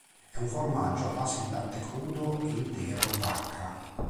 È un formaggio a base di latte crudo e intero di vacca.